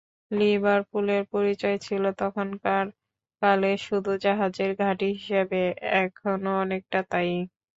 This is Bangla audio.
লিভারপুলের পরিচয় ছিল তখনকার কালে শুধু জাহাজের ঘাঁটি হিসেবে, এখনো অনেকটা তা-ই।